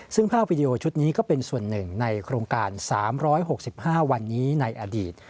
ซึ่งภาพวิดีโอชุดนี้ก็เป็นส่วนหนึ่งในโครงการ๓๖๕วันนี้ในอดีต